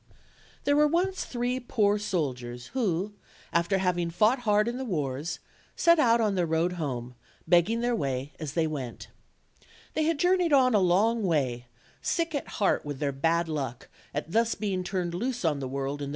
THERE were once three poor soldiers, who, after hav ing fought hard in the wars, set out on their road home, begging their way as they went. They had journeyed on a long way, sick at heart with their bad luck at thus being turned loose on the world ia 58 OLD OLD FAIR Y TALES.